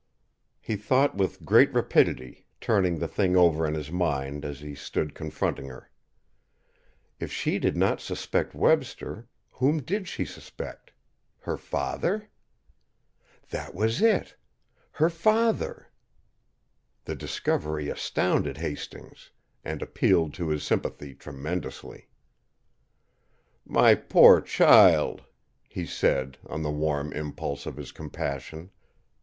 He thought with great rapidity, turning the thing over in his mind as he stood confronting her. If she did not suspect Webster, whom did she suspect? Her father? That was it! her father! The discovery astounded Hastings and appealed to his sympathy, tremendously. "My poor child!" he said, on the warm impulse of his compassion.